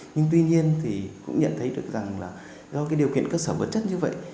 nhưng tuy nhiên cũng nhận thấy được rằng do điều kiện cơ sở vật chất như vậy